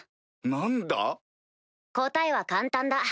答えは簡単だ。